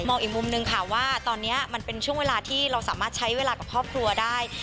อีกมุมนึงค่ะว่าตอนนี้มันเป็นช่วงเวลาที่เราสามารถใช้เวลากับครอบครัวได้